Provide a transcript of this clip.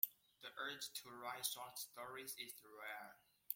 The urge to write short stories is rare.